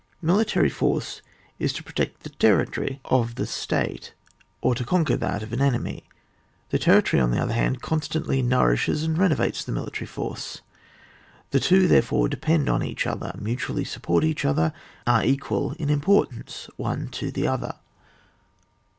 Mili tary force is to protect the territory of CHAP, xxvn.] DEFENCE OS A THEATRE OF WAR, 179 the state, or to coBquer that of an enemy ; the territory on the other hand, constantly nourishes and renovates the military force. The two, therefore, de pend on each other, mutually support each other, are equal in importance one to the other.